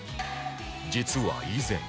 実は以前